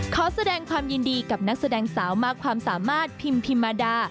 ขอแสดงความยินดีกับนักแสดงสาวมากความสามารถพิมพิมมาดา